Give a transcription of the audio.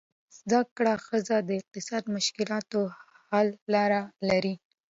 زده کړه ښځه د اقتصادي مشکلاتو حل لارې لري.